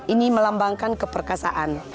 ini melambangkan keperkasaan